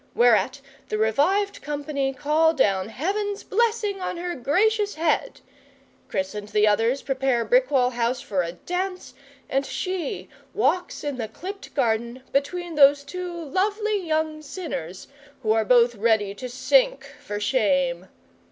Whereat the revived company call down Heaven's blessing on her gracious head; Chris and the others prepare Brickwall House for a dance; and she walks in the clipped garden between those two lovely young sinners who are both ready to sink for shame.